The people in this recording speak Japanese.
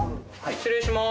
失礼します。